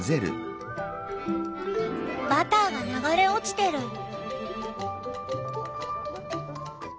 バターが流れ落ちてる。